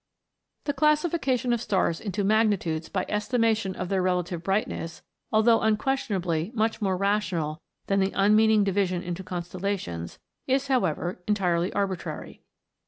The classification of stars into magnitudes by estimation of their relative brightness, although unquestionably much more rational than the un meaning division into constellations, is, however, entirely arbitrary.